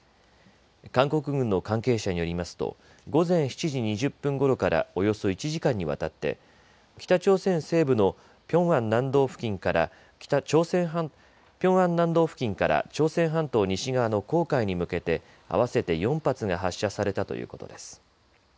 韓国軍の関係者によりますと午前７時２０分ごろからおよそ１時間にわたって北朝鮮西部のピョンアン南道付近から朝鮮半島西側の黄海に向けて、合わせて４発が発射されたということです。